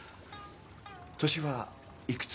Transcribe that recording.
年はいくつ？